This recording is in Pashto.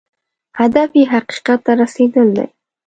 هدف یې حقیقت ته رسېدل دی.